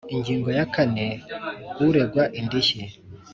Ingingo ya kane Uregwa indishyi